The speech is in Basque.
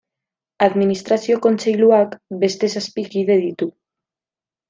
Administrazio Kontseiluak beste zazpi kide ditu.